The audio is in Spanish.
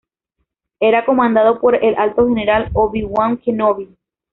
Era comandado por el Alto General Obi-Wan Kenobi.